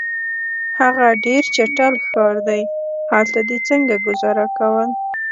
هغه ډېر چټل ښار دی، هلته دي څنګه ګذاره کول؟